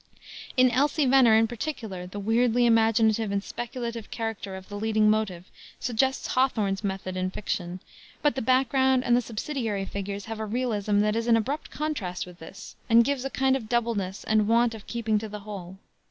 In Elsie Venner, in particular, the weirdly imaginative and speculative character of the leading motive suggests Hawthorne's method in fiction, but the background and the subsidiary figures have a realism that is in abrupt contrast with this, and gives a kind of doubleness and want of keeping to the whole.